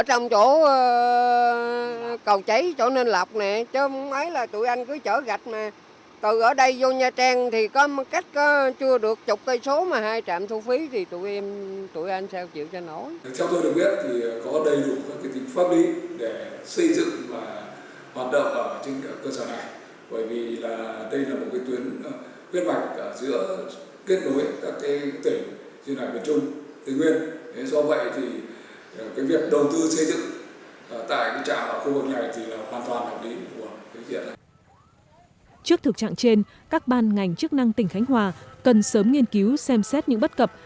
trước thực trạng trên các ban ngành chức năng tỉnh khánh hòa cần sớm nghiên cứu xem xét những bất cập